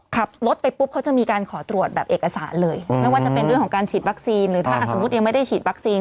ขับรถไปปุ๊บเขาจะมีการขอตรวจแบบเอกสารเลยไม่ว่าจะเป็นเรื่องของการฉีดวัคซีนหรือถ้าสมมุติยังไม่ได้ฉีดวัคซีน